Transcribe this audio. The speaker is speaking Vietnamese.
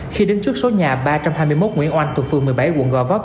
khi đến trước số nhà ba trăm hai mươi một nguyễn oanh thuộc phường một mươi bảy quận gò vấp